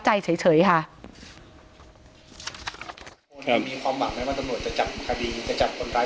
ถ้าใครอยากรู้ว่าลุงพลมีโปรแกรมทำอะไรที่ไหนยังไง